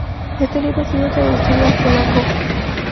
Este libro ha sido traducido al polaco.